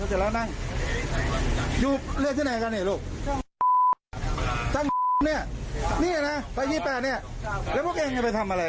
หน้าเสร็จแล้วนั่งอยู่เนื่องจิ